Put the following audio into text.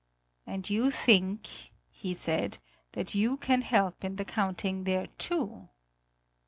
"And you think," he said, "that you can help in the counting there too."